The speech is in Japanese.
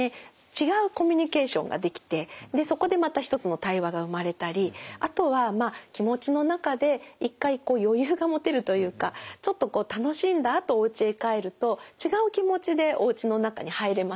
違うコミュニケーションができてそこでまた一つの対話が生まれたりあとは気持ちの中で一回余裕が持てるというかちょっと楽しんだあとおうちへ帰ると違う気持ちでおうちの中に入れますよね。